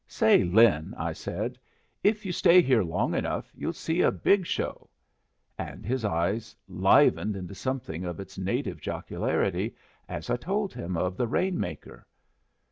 "Say, Lin," I said, "if you stay here long enough you'll see a big show." And his eye livened into something of its native jocularity as I told him of the rain maker.